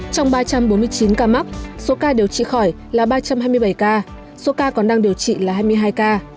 trong ba trăm bốn mươi chín ca mắc số ca điều trị khỏi là ba trăm hai mươi bảy ca số ca còn đang điều trị là hai mươi hai ca